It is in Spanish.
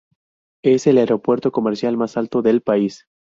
Es el aeropuerto comercial más alto del país.